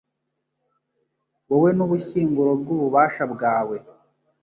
wowe n’Ubushyinguro bw’ububasha bwawe